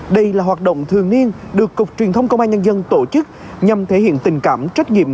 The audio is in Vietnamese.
đây là hoạt động thường niên được cục truyền thông công an nhân dân tổ chức nhằm thể hiện tình cảm trách nhiệm